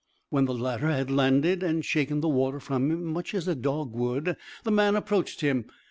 When the latter had landed and shaken the water from him much as a dog would, the man approached him.